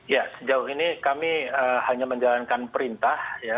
ya sejauh ini kami hanya menjalankan perintah ya